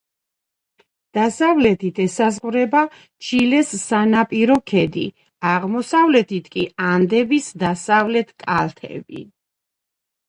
დასავლეთით ესაზღვრება ჩილეს სანაპირო ქედი, აღმოსავლეთით კი ანდების დასავლეთ კალთები.